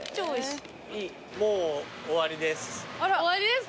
もう終わりです。